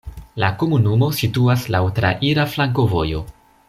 La komunumo situas laŭ traira flankovojo.